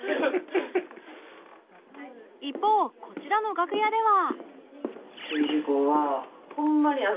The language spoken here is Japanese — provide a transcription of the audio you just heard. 一方こちらの楽屋では